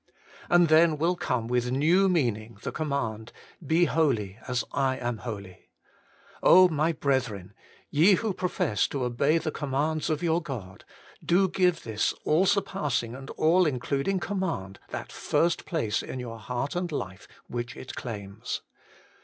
And then will come with new meaning the command, ' Be holy, as I am holy.' Oh, my brethren ! ye who profess to obey the commands of your God, do give this all surpassing and all GOD'S PEO VISION FOR HOLINESS. 25 including command that first place in your heart and life which it claims.